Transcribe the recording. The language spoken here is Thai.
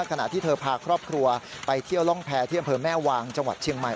ขณะที่เธอพาครอบครัวไปเที่ยวร่องแพรที่อำเภอแม่วางจังหวัดเชียงใหม่